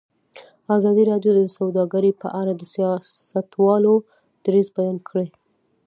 ازادي راډیو د سوداګري په اړه د سیاستوالو دریځ بیان کړی.